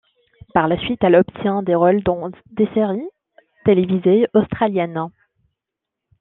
Par la suite, elle obtient des rôles dans des séries télévisées australiennes.